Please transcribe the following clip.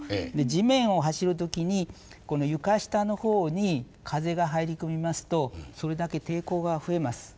地面を走る時に床下の方に風が入り込みますとそれだけ抵抗が増えます。